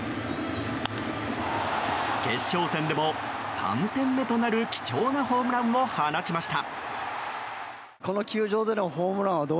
決勝戦でも、３点目となる貴重なホームランを放ちました。